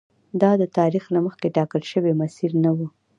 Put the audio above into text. دا د تاریخ له مخکې ټاکل شوی مسیر نه و.